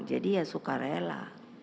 jadi ya suka rela